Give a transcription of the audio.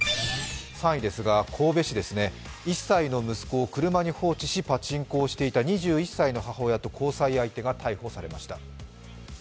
３位ですが、神戸市ですね、１歳の息子を車に放置し、パチンコをしていた２１歳の母親と交際相手が逮捕されました。